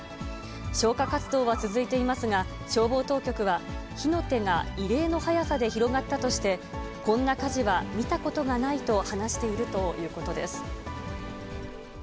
消火活動は続いていますが、消防当局は、火の手が異例の速さで広がったとして、こんな火事は見たことがないと話しているということです。